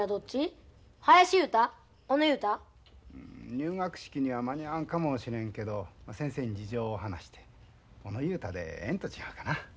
入学式には間に合わんかもしれんけど先生に事情を話して小野雄太でええんと違うかな。